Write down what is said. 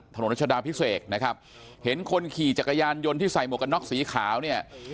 รัชดาพิเศษนะครับเห็นคนขี่จักรยานยนต์ที่ใส่หมวกกันน็อกสีขาวเนี่ย